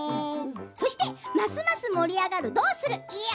そして、ますます盛り上がる「どうする家康」。